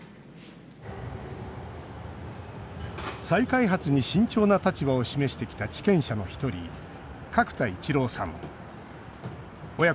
再開発に慎重な立場を示してきた地権者の一人、角田一郎さん。